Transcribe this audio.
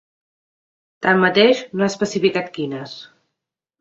Tanmateix, no ha especificat quines.